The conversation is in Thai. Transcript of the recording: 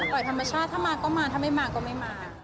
ธรรมชาติถ้ามาก็มาถ้าไม่มาก็ไม่มา